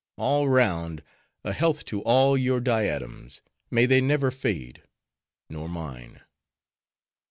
—All round, a health to all your diadems! May they never fade! nor mine!"